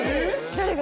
誰が？